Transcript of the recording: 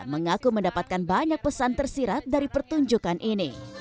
mengaku mendapatkan banyak pesan tersirat dari pertunjukan ini